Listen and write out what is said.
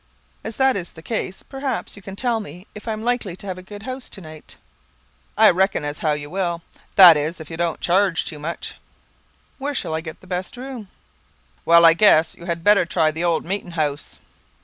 "As that is the case, perhaps you can tell me if I am likely to have a good house to night?" "I kind a reckon as how you will; that is, if you don't chearge tew much." "Where shall I get the best room?" "Well, I guess, you had better try the old meetin' house."